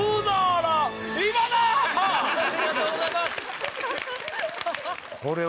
ありがとうございます！